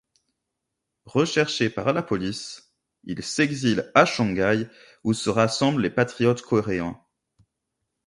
Recherché par la police, il s'exile à Shanghaï, où se rassemblent les patriotes coréens.